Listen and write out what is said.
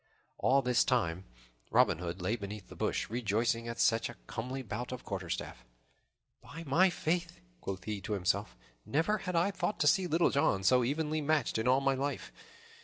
All this time Robin Hood lay beneath the bush, rejoicing at such a comely bout of quarterstaff. "By my faith!" quoth he to himself, "never had I thought to see Little John so evenly matched in all my life.